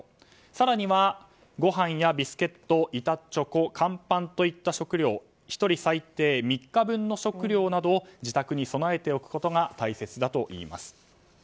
更には、ご飯やビスケット板チョコ、乾パンといった食料１人最低３日分の食料などを自宅に備えておくことが大切だといいます。